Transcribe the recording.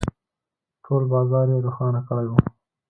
، ټول بازار يې روښانه کړی و.